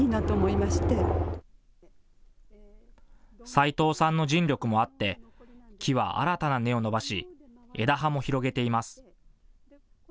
斉藤さんの尽力もあって木は新たな根を伸ばし枝葉も広げています。